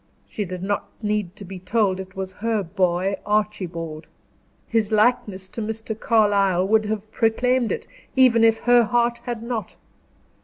She did not need to be told it was her boy, Archibald; his likeness to Mr. Carlyle would have proclaimed it, even if her heart had not.